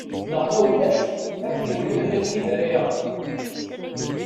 Neɣ ma ulac ad ten-welhen abrid ara aɣen.